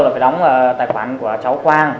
là phải đóng tài khoản của cháu quang